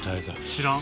知らん？